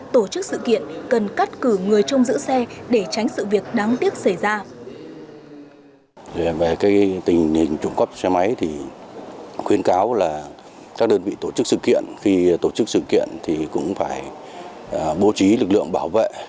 tổ chức sự kiện cần cắt cử người trông giữ xe để tránh sự việc đáng tiếc xảy ra